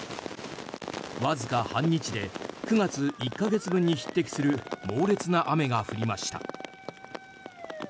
わずか半日で９月１か月分に匹敵する猛烈な雨が降りました。